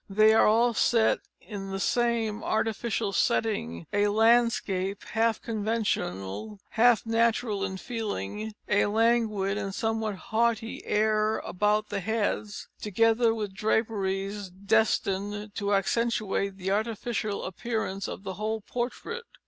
They are all set in the same artificial setting, a landscape half conventional, half natural in feeling, a languid and somewhat haughty air about the heads, together with draperies destined to accentuate the artificial appearance of the whole portrait.